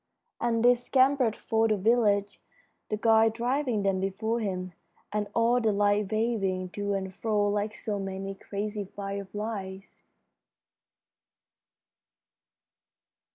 And they scampered for the village, the guide driving them before him, and all the lights waving to and fro like so many crazy fireflies.